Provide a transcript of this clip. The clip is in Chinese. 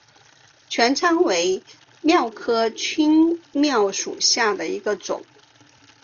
拳参为蓼科春蓼属下的一个种。